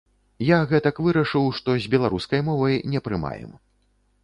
Я гэтак вырашыў, што з беларускай мовай не прымаем.